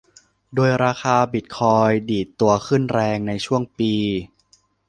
โดยราคาบิตคอยน์ดีดตัวขึ้นแรงในช่วงปี